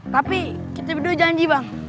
tapi kita berdua janji bang